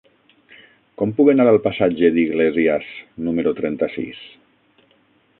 Com puc anar al passatge d'Iglésias número trenta-sis?